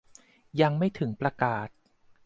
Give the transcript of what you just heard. ยังไม่ถึงประกาศ